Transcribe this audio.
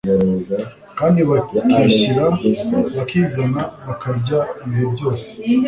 kandi bakishyira bakizana bakarya igihe cyose